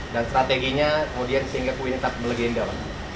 dan strateginya kemudian sehingga kue tetap legendar